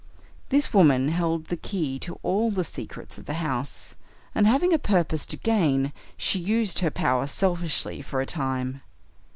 This woman held the key to all the secrets of the house, and, having a purpose to gain, she used her power selfishly, for a time.